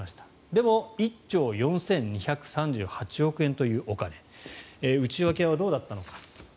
でも１兆４２３８億円というお金内訳はどうだったのか。